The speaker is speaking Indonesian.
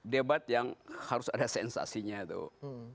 debat yang harus ada sensasinya tuh